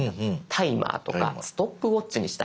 タイマーとかストップウォッチにしたいんだ。